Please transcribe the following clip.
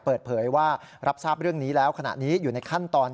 เปิดเผยว่ารับทราบเรื่องนี้แล้วขณะนี้อยู่ในขั้นตอน